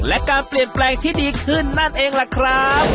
และการเปลี่ยนแปลงที่ดีขึ้นนั่นเองล่ะครับ